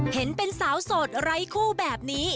เห็นเป็นสาวโสดไร้คู่แบบนี้